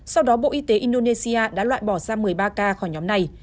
sau đó bộ y tế indonesia đã loại bỏ ra một mươi ba ca khỏi nhóm này